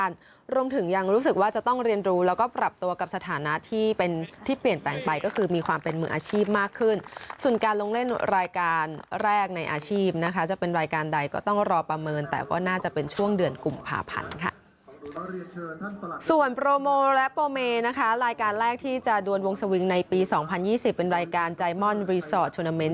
เต้นเหมือนกันรวมถึงยังรู้สึกว่าจะต้องเรียนรู้แล้วก็ปรับตัวกับสถานะที่เป็นที่เปลี่ยนแปลงไปก็คือมีความเป็นมืออาชีพมากขึ้นส่วนการลงเล่นรายการแรกในอาชีพนะคะจะเป็นรายการใดก็ต้องรอประเมินแต่ก็น่าจะเป็นช่วงเดือนกลุ่มผ่าผันค่ะส่วนโปรโมและโปรเมนะคะรายการแรกที่จะดวนวงสวิงในปีสองพ